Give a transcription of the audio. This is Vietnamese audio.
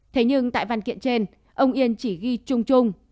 thế nhưng tại văn kiện trên ông yên chỉ ghi chung chung